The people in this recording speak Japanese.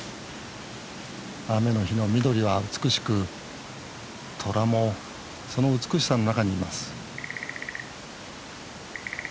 雨の日の緑は美しくトラもその美しさの中にいます